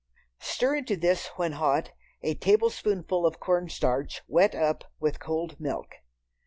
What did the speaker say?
Stir into this when hot, a tablespoonful of cornstarch wet up with cold milk.